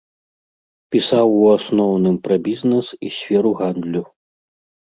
Пісаў у асноўным пра бізнэс і сферу гандлю.